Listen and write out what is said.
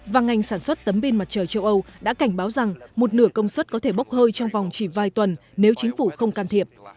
và ngành sản xuất tấm pin mặt trời châu âu đã cảnh báo rằng một nửa công suất có thể bốc hơi trong vòng chỉ vài tuần nếu chính phủ không can thiệp